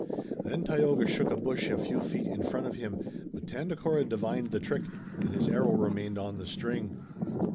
Then Tayoga shook a bush a few feet from him, but Tandakora divined the trick, and his arrow remained on the string.